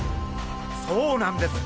そうなんです！